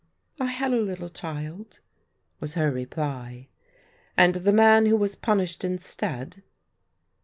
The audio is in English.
" I had a little child," was her reply. " And the man who was punished instead